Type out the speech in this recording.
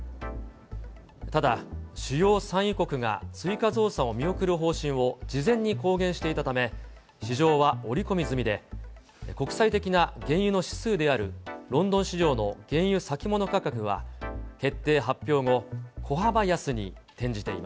ただ主要産油国が追加増産を見送る方針を事前に公言していたため、市場は織り込み済みで、国際的な原油の指数であるロンドン市場の原油先物価格は、決定発